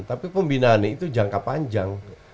tapi pembinaan itu jangka panjang